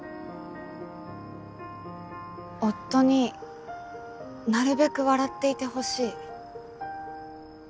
夫になるべく笑っていてほしい。